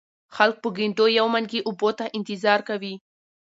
خلک په ګېنټو يو منګي اوبو ته انتظار کوي ـ